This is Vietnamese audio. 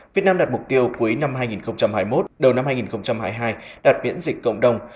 việt nam đặt mục tiêu cuối năm hai nghìn hai mươi một đầu năm hai nghìn hai mươi hai đạt miễn dịch cộng đồng